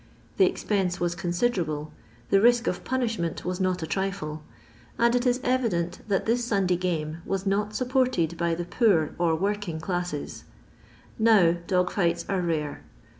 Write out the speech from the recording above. The expense was considerable, the risk of punishment was not a trifle, and it is evident that this Sunday game was not svpported hy the poor or leorking elaucM. Now dog fights are rare.